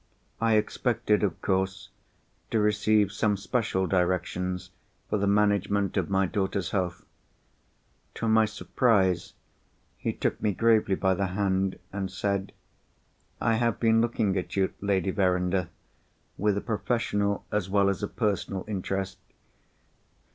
I expected, of course, to receive some special directions for the management of my daughter's health. To my surprise, he took me gravely by the hand, and said, 'I have been looking at you, Lady Verinder, with a professional as well as a personal interest.